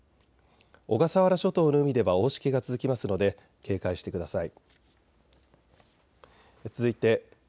小笠原諸島の海では大しけが続きますので警戒してください。